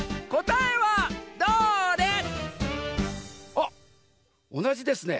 あっおなじですね。